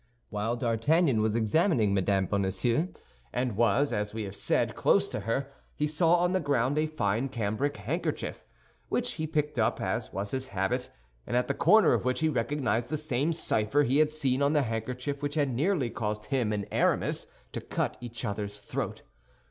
While D'Artagnan was examining Mme. Bonacieux, and was, as we have said, close to her, he saw on the ground a fine cambric handkerchief, which he picked up, as was his habit, and at the corner of which he recognized the same cipher he had seen on the handkerchief which had nearly caused him and Aramis to cut each other's throat.